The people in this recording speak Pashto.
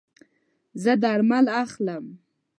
زه درمل اخلم